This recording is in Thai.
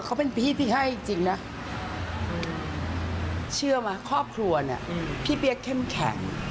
เขาเป็นพี่พี่ให้จริงนะเชื่อไหมครอบครัวเนี่ยพี่เปี๊ยกเข้มแข็ง